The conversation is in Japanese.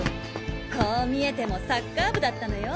こう見えてもサッカー部だったのよ